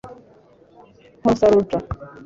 konsa ruja